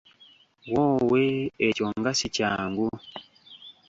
Woowe ekyo nga si kyangu!